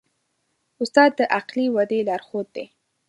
استاد د عقلي ودې لارښود دی.